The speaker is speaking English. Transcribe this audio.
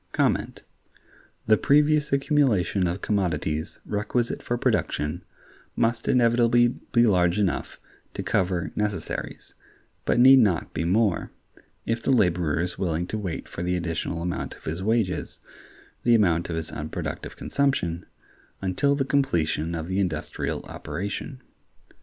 The previous accumulation of commodities requisite for production must inevitably be large enough to cover necessaries, but need not be more, if the laborer is willing to wait for the additional amount of his wages (the amount of his unproductive consumption) until the completion of the industrial operation.